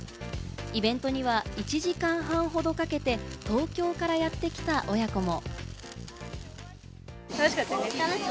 イベントには１時間半ほどかけて東京からやってきた親子も。